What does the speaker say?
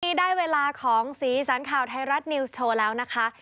วันนี้ได้เวลาของสีสันข่าวไทยรัฐนิวส์โชว์แล้วนะคะ